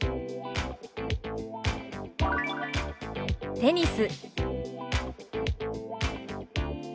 「テニス」。